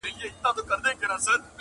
ډېر نا اهله بد کرداره او بد خوی ؤ,